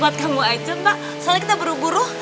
buat kamu aja pak soalnya kita buru buru